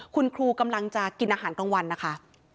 คุณครูกำลังจะกินอาหารกลางวันนะคะ